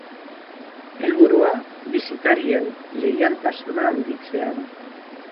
Helburua bisitarien leialtasuna handitzea da.